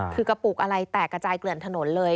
คือกระปุกอะไรแตกกระจายเกลื่อนถนนเลย